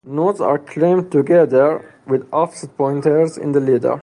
Nodes are chained together with offset pointers in the header.